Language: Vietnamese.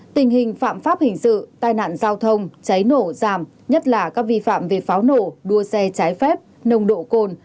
tình hình phạm pháp hình sự tai nạn giao thông cháy nổ giảm nhất là các vi phạm về pháo nổ đua xe trái phép nồng độ cồn